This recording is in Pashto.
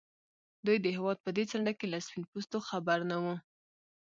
دوی د هېواد په دې څنډه کې له سپين پوستو خبر نه وو.